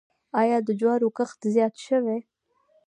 آیا د جوارو کښت زیات شوی؟